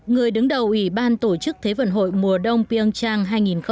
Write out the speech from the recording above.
người đứng đầu ủy ban tổ chức thế vận hội mùa đông pyeongchang hai nghìn một mươi tám